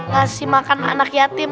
ngasih makan anak yatim